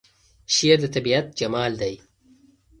شعر د طبیعت جمال دی.